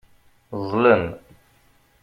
Ẓẓlen.